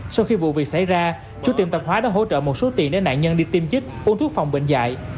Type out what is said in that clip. sau khi vụ việc xảy ra chú tiệm tạp hóa đã hỗ trợ một số tiền để nạn nhân đi tiêm chích uống thuốc phòng bệnh dạy